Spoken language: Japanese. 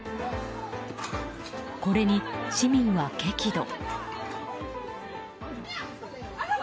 これに市民は激怒。